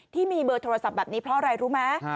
ที่มีเบอร์โทรศัพท์แบบนี้เพราะอะไรรู้ไหม